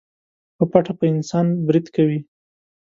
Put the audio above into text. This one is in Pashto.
په پټه په انسان بريد کوي.